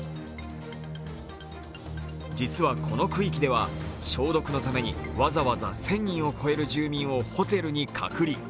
実は、この区域では消毒のためにわざわざ１０００人を超える住民をホテルに隔離。